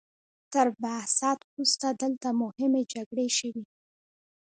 تر بعثت وروسته دلته مهمې جګړې شوي.